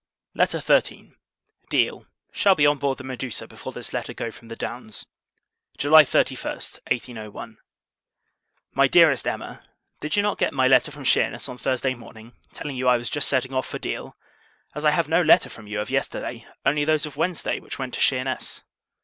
LETTER XIII. Deal [Shall be on board the Medusa before this letter go from the Downs] July 31, 1801. MY DEAREST EMMA, Did not you get my letter from Sheerness on Thursday morning, telling you I was just setting off for Deal; as I have no letter from you of yesterday, only those of Wednesday, which went to Sheerness?